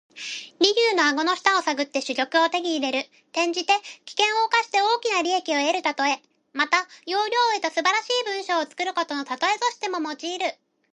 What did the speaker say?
驪竜の顎の下を探って珠玉を手に入れる。転じて、危険を冒して大きな利益を得るたとえ。また、要領を得た素晴らしい文章を作ることのたとえとしても用いる。